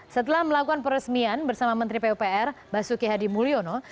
setelah melakukan peresmian bersama menteri pupr basuki hadi mulyono